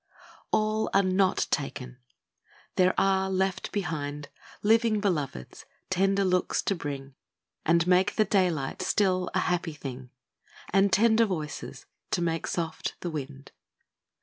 A LL are not taken ! there are left behind Living Beloveds, tender looks to bring, And make the daylight still a happy thing, And tender voices, to make soft the wind.